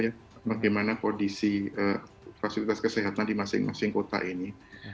kbri selalu memantau bagaimana kondisi fasilitas kesehatan di masing masing kota ini